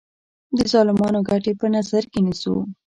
د ظالمانو ګټې په نظر کې نیسو.